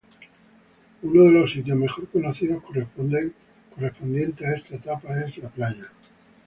Uno de los sitios mejor conocidos correspondientes a esta etapa es La Playa.